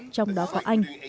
trong đó có anh